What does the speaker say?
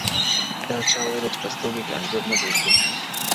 دا چا ويله چي په سترگو كي انځور نه پرېږدو!